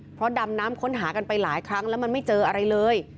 เพราะดำน้ำค้นหากันไปหลายครั้งแล้วมันไม่เจออะไรเลย